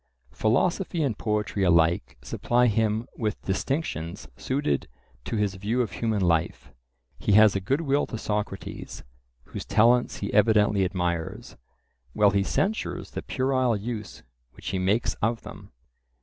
Philosophy and poetry alike supply him with distinctions suited to his view of human life. He has a good will to Socrates, whose talents he evidently admires, while he censures the puerile use which he makes of them.